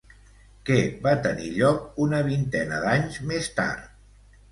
Què va tenir lloc una vintena d'anys més tard?